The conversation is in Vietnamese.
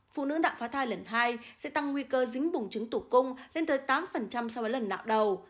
phụ nữ nạo phá thai lần hai sẽ tăng nguy cơ dính bùng trứng tủ cung lên tới tám sau lần nạo đầu